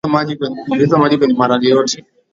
ongeza maji kwenye maharage yote